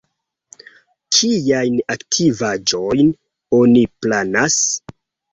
Kiajn aktivaĵojn oni planas?